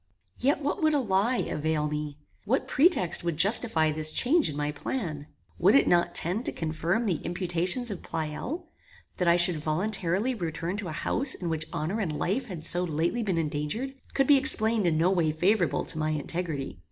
Yet what would a lie avail me? What pretext would justify this change in my plan? Would it not tend to confirm the imputations of Pleyel? That I should voluntarily return to an house in which honor and life had so lately been endangered, could be explained in no way favorable to my integrity.